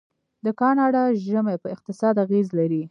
د کاناډا ژمی په اقتصاد اغیز لري.